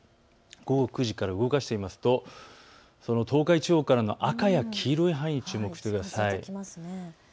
午後９時から動かしてみると東海地方からの赤や黄色の範囲に注目してください。